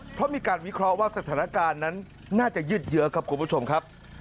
เพราะมีการวิเคราะห์ว่าสถานการณ์นั้นน่าจะยืดเยอะครับคุณผู้ชมครับ